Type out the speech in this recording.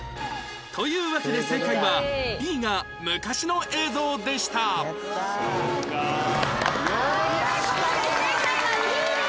というわけで正解は Ｂ が昔の映像でしたという事で正解は Ｂ でした！